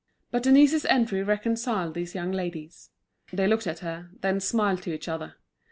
But Denise's entry reconciled these young ladies. They looked at her, then smiled to each other.